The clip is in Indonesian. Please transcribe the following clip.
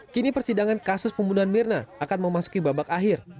kini persidangan kasus pembunuhan mirna akan memasuki babak akhir